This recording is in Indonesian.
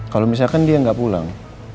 kalau misalkan dia nggak pulang